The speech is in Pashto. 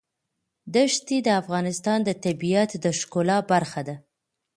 دښتې د افغانستان د طبیعت د ښکلا برخه ده.